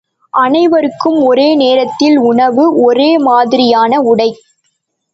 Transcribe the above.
அனைவருக்கும் ஒரே நேரத்தில் உணவு, ஒரே மாதிரியான உடை.